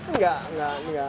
enggak enggak enggak